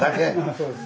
そうです。